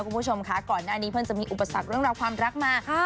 คุณผู้ชมค่ะก่อนหน้านี้เพิ่งจะมีอุปสรรคเรื่องราวความรักมา